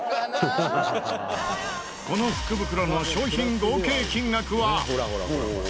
この福袋の商品合計金額は。